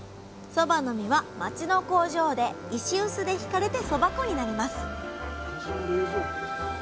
そばの実は町の工場で石臼でひかれてそば粉になります